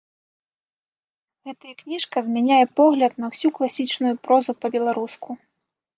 Гэтая кніжка змяняе погляд на ўсю класічную прозу па-беларуску.